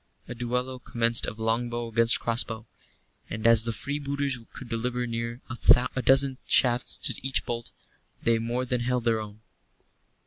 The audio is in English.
A duello commenced of longbow against crossbow; and as the freebooters could deliver near a dozen shafts to each bolt, they more than held their own.